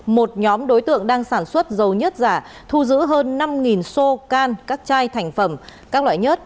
một nhóm đối tượng đang sản xuất dầu nhất giả thu giữ hơn năm xô can các chai thành phẩm các loại nhất